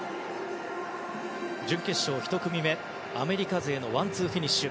準決勝１組目、アメリカ勢のワンツーフィニッシュ。